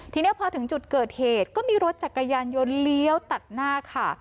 ทีนี้พอถึงจุดเกิดเหตุก็มีรถจักรยานยนต์เลี้ยวตัดหน้าค่ะ